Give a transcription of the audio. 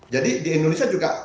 jadi di indonesia juga